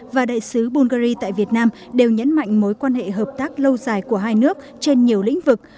và đại sứ bulgari tại việt nam đều nhấn mạnh mối quan hệ hợp tác lâu dài của hai nước trên nhiều lĩnh vực